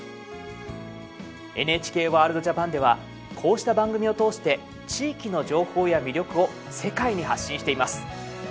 ＮＨＫワールドＪＡＰＡＮではこうした番組を通して地域の情報や魅力を世界に発信しています。